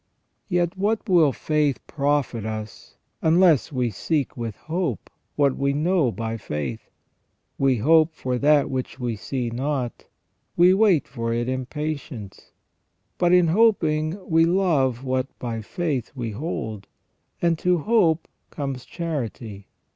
Yet what will faith profit us unless we seek with hope what we know by faith ?" We hope for that which we see not, we wait for it in patience." But in hoping we love what by faith we hold, and to hope comes charity.